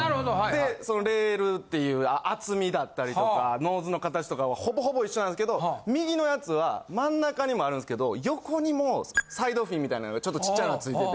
でそのレールっていう厚みだったりとかノーズの形とかはほぼほぼ一緒なんですけど右のやつは真ん中にもあるんですけど横にもサイドフィンみたいのがちょっとちっちゃいのがついてて。